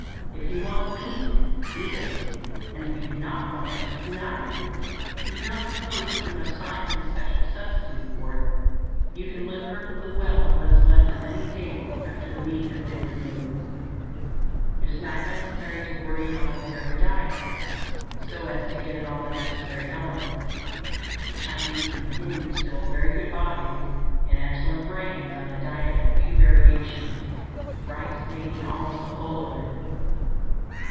If you want meat, eat it; and if you do not want it, do not eat it, and do not suppose that you must find some special substitute for it. You can live perfectly well on what is left on any table after the meat has been removed. It is not necessary to worry about a "varied" diet, so as to get in all the necessary elements. The Chinese and Hindus build very good bodies and excellent brains on a diet of few variations, rice making almost the whole of it.